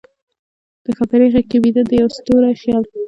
د ښاپیرۍ غیږ کې بیده، د یوه ستوری خیال